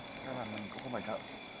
cho nên là mình cũng không phải sợ